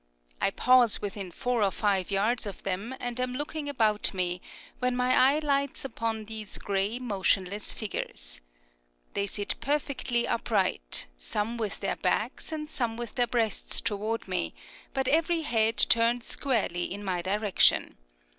I pause within four or five yards of them and am looking about me, when my eye lights upon these gray, motionless figures. They sit perfectly upright, some with their backs and some with their breasts toward me, but every head turned squarely in my direction.